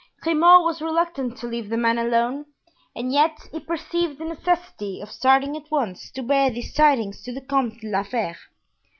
Grimaud was reluctant to leave the man alone and yet he perceived the necessity of starting at once to bear these tidings to the Comte de la Fere.